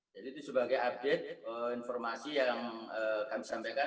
jadi itu sebagai update informasi yang kami sampaikan